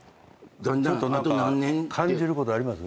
ちょっと何か感じることあります？